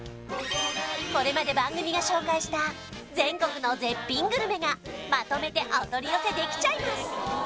これまで番組が紹介した全国の絶品グルメがまとめてお取り寄せできちゃいます！